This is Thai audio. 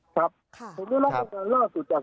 ครับผมได้รับรายงานล่าสุดจาก